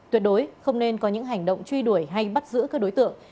tuyệt đối không nên có những hành động truy đuổi hay bắt giữ các đối tượng